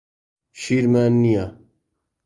شیرمان نییە.